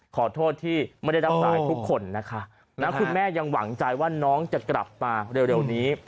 ขอโทษที่ไม่ได้รับสายทุกคนนะคะคุณแม่ยังหวังใจว่าน้องจะกลับมาเร็วนี้